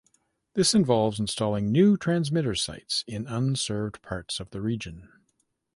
This involves installing new transmitter sites in unserved parts of the region.